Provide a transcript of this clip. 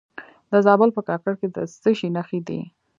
د زابل په کاکړ کې د څه شي نښې دي؟